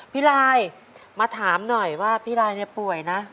พี่ลายมาถามหน่อยว่าพี่ลายเนี่ยป่วยนะ